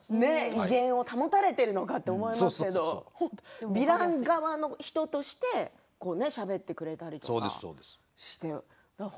威厳が保たれているのかなと思いますけどヴィラン側の人としてしゃべってくれているんですよね。